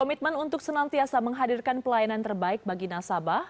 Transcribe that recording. komitmen untuk senantiasa menghadirkan pelayanan terbaik bagi nasabah